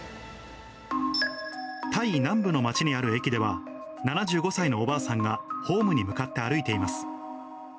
タイ南部の町にある駅では、７５歳のおばあさんがホームに向かって歩いています。